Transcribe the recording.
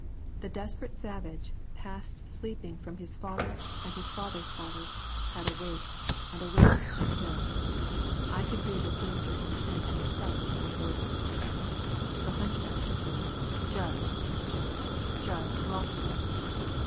The desperate savage, passed sleeping from his father and his father's father, had awaked, and awaked to kill. I could read the sinister intent in the crouch of his shoulders. The hunchback shook him. "Jud," he shouted, "Jud, drop him."